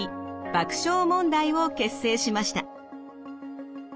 爆笑問題を結成しました。